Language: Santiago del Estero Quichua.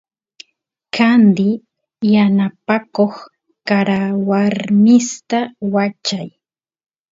candi yanapakoq karawarmista wachay